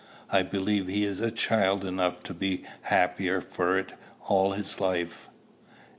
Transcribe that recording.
I believe he is child enough to be happier for it all his life.